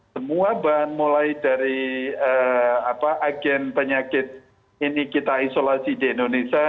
semua bahan mulai dari agen penyakit ini kita isolasi di indonesia